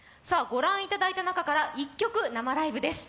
御覧いただいた中から１曲生ライブです。